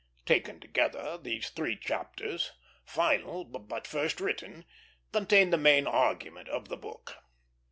Taken together, these three chapters, final but first written, contain the main argument of the book.